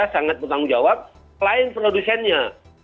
sangat bertanggung jawab selain produsennya